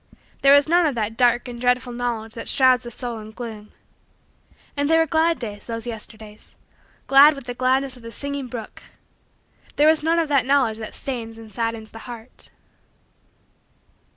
There was none of that dark and dreadful knowledge that shrouds the soul in gloom. And they were glad days those Yesterdays glad with the gladness of the singing brook. There was none of that knowledge that stains and saddens the heart.